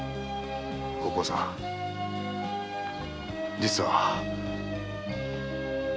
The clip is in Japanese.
お甲さん実は。